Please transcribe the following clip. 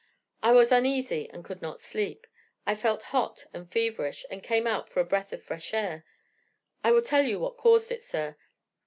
I was uneasy, and could not sleep; I felt hot and feverish, and came out for a breath of fresh air. I will tell you what caused it, sir.